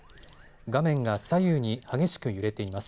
画面が左右に激しく揺れています。